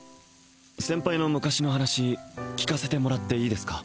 先輩の昔の話聞かせてもらっていいですか？